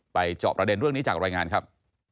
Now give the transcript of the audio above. จอบประเด็นเรื่องนี้จากรายงานครับ